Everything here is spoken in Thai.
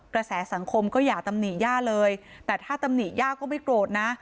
กระแสสังคมก็อย่าตำหนิย่าเลยแต่ถ้าตำหนิย่าก็ไม่โกรธนะ